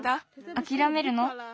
あきらめるの？